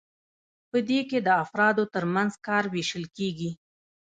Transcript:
په دې کې د افرادو ترمنځ کار ویشل کیږي.